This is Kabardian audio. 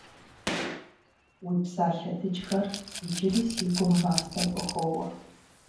Уи псалъэ дыджхэр иджыри си гум мастэу къыхоуэ.